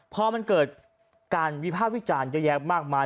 พอมันเกิดการวิภาควิจารณ์เยอะแยะมากมาย